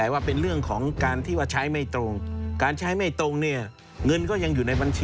วัตถ่ายคนของวัด